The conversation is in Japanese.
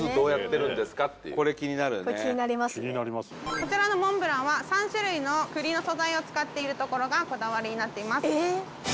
こちらのモンブランは３種類の栗の素材を使っているところがこだわりになっています。